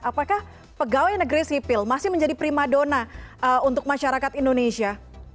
apakah pegawai negeri sipil masih menjadi prima dona untuk masyarakat indonesia